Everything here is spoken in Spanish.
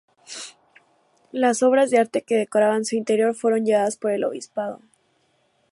Las obras de arte que decoraban su interior fueron llevadas por el obispado.